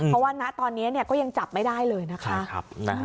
เพราะว่าณตอนนี้ก็ยังจับไม่ได้เลยนะคะ